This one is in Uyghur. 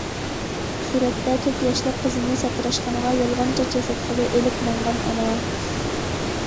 سۈرەتتە: تۆت ياشلىق قىزىنى ساتىراشخانىغا يالغان چاچ ياساتقىلى ئېلىپ ماڭغان ئانا.